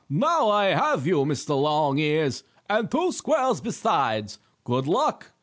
Now I have you, Mr. Longears and two squirrels besides. Good luck!"